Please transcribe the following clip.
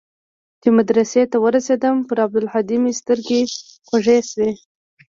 چې مدرسې ته ورسېدم پر عبدالهادي مې سترګې خوږې سوې.